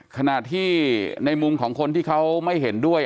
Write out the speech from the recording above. ขณะที่ในมุมของคนที่เขาไม่เห็นด้วย